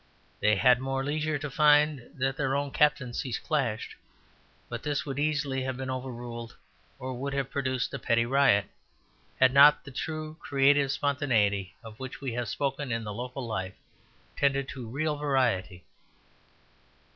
They had more leisure to find that their own captaincies clashed; but this would easily have been overruled, or would have produced a petty riot, had not the true creative spontaneity, of which we have spoken in the local life, tended to real variety.